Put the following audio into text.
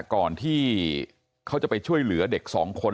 ก่อนที่เขาจะไปช่วยเหลือเด็กสองคน